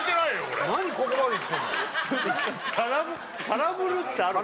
空振るってある？